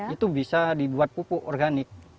itu bisa dibuat pupuk organik